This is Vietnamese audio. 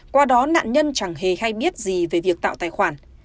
qua đó nạn nhân chẳng hề hay biết gì về việc tạo tài khoản